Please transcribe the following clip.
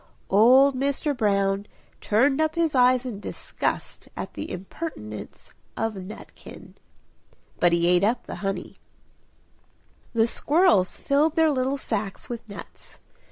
Old Mr. Brown turned up his eyes in disgust at the impertinence of Nutkin. But he ate up the honey! The squirrels filled their little sacks with nuts.